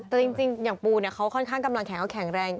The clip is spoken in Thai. แต่จริงอย่างปูเขาค่อนข้างกำลังแข็งเขาแข็งแรง